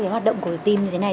hoạt động của team như thế này